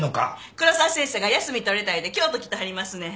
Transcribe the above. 黒沢先生が休み取れたんで京都来てはりますねん。